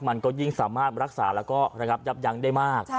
มันก็ยิ่งสามารถรักษาแล้วก็ระยับยั้งได้มาก